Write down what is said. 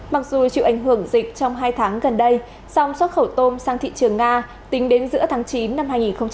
mặc dù chịu ảnh hưởng dịch trong hai tháng gần đây song xuất khẩu tôm sang thị trường nga tính đến giữa tháng chín năm hai nghìn một mươi chín